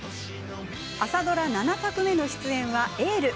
朝ドラ７作目の出演は「エール」。